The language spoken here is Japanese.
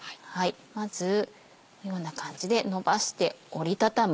まずこのような感じでのばして折り畳む。